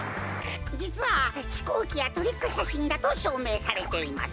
じつはひこうきやトリックしゃしんだとしょうめいされています。